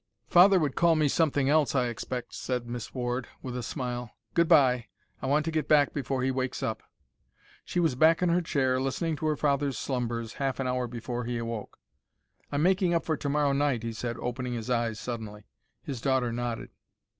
"Father would call me something else, I expect," said Miss Ward, with a smile. "Good bye. I want to get back before he wakes up." She was back in her chair, listening to her father's slumbers, half an hour before he awoke. "I'm making up for to morrow night," he said, opening his eyes suddenly. His daughter nodded.